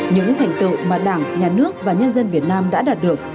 những thành tựu mà đảng nhà nước và nhân dân việt nam đã đạt được